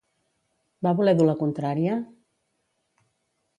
Va voler dur la contrària?